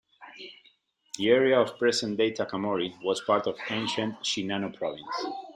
The area of present-day Takamori was part of ancient Shinano Province.